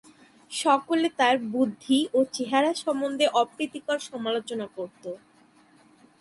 সকলে তার বুদ্ধি ও চেহারা সম্বন্ধে অপ্রীতিকর সমালোচনা করতো।